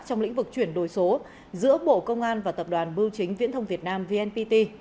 trong lĩnh vực chuyển đổi số giữa bộ công an và tập đoàn bưu chính viễn thông việt nam vnpt